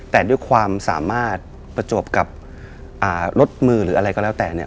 แต่ด้วยความสามารถประจวบกับรถมือหรืออะไรก็แล้วแต่เนี่ย